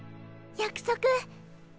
約束。